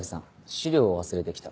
資料を忘れてきた。